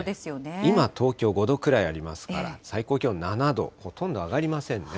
今、東京５度ぐらいありますから、最高気温７度、ほとんど上がりませんね。